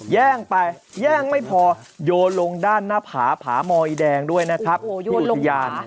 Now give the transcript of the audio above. แย่งไปแย่งไม่พอโยนลงด้านหน้าผาผามอยแดงด้วยนะครับที่อุทยาน